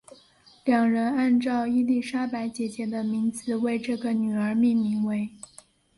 两人按照伊丽莎白姐姐的名字为这个女儿命名为。